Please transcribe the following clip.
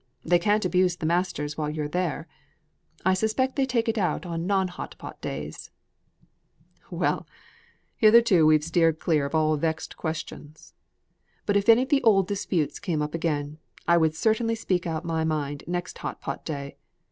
They can't abuse the masters while you're there. I expect they take it out on non hot pot days." "Well! hitherto we've steered clear of all vexed questions. But if any of the old disputes came up again, I would certainly speak out my mind next hot pot day.